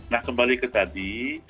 nah kembali ke tadi